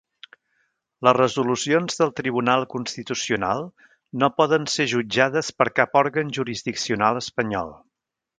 Les resolucions del Tribunal Constitucional no poden ser jutjades per cap òrgan jurisdiccional espanyol.